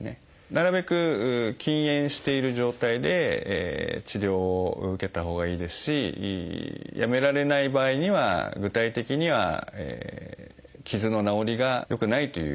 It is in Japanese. なるべく禁煙している状態で治療を受けたほうがいいですしやめられない場合には具体的には傷の治りが良くないという。